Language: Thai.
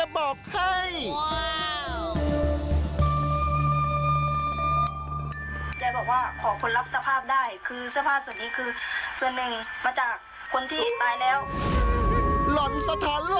แกบอกว่าขอคนรับเสื้อภาพได้คือเสื้อภาพศูนย์มีคือหนึ่งมาจากคนที่ตายแล้ว